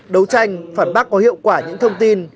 đấu tranh phản bác có hiệu quả những thông tin